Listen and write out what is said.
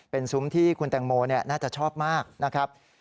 เป็นซุ้มที่คุณแตงโมน่าจะชอบมากนะครับ